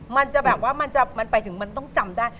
มันไปถึงมันต้องจำได้